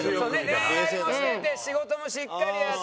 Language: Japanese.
恋愛もしてて仕事もしっかりあって。